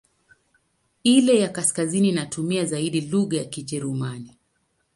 Ile ya kaskazini inatumia zaidi lugha ya Kijerumani.